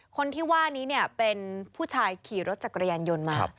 คนที่ว่านี้เป็นผู้ชายขี่รถจักรยานยนต์มา